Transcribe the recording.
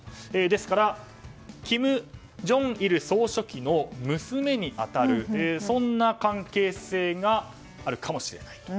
ですから金正日総書記の娘に当たるそんな関係性があるかもしれないと。